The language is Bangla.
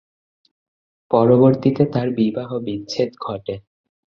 পরবর্তীতে তার সাথে বিবাহ-বিচ্ছেদ ঘটে।